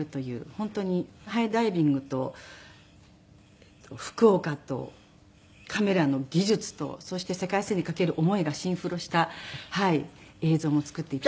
本当にハイダイビングと福岡とカメラの技術とそして世界水泳にかける思いがシンフロした映像も作って頂いて。